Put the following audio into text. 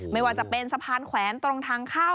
ไม่ว่าจะเป็นสะพานแขวนตรงทางเข้า